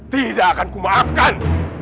tidak akan kumaafkan